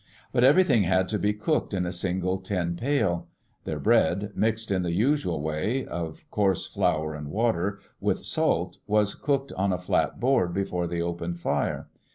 But everything had to be cooked in a single tin pail. Xheir bread, mixed in the usual way, of coarse flour and water, with salt, was cooked on a flat board before the open fire.